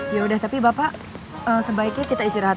yaudah tapi bapak sebaiknya kita istirahat